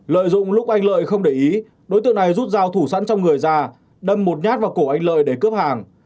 lợi dụng lúc anh lợi không để ý đối tượng này rút dao thủ sẵn trong người ra đâm một nhát vào cổ anh lợi để cướp hàng